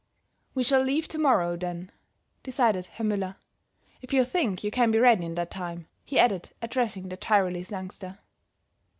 "We shall leave to morrow, then," decided Herr Müller, "if you think you can be ready in that time," he added, addressing the Tyrolese youngster.